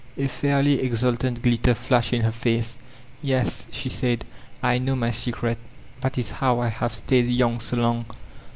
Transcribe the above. A fairly exultant glitter flashed in her face. ''Yes, she said, "I know my secret. That is how I have stayed young so long.